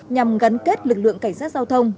nhằm gắn kết lực lượng cảnh sát giao thông